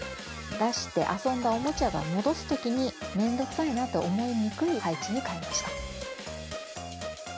出して遊んだおもちゃを戻すときに、面倒くさいなと思いにくい配置に替えました。